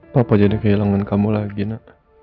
papa jadi kehilangan kamu lagi nak